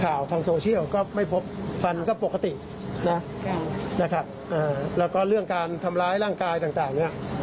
ข่าวทางโซเชียลก็ไม่พบฟันก็ปกติแล้วก็เรื่องการทำร้ายร่างกายต่าง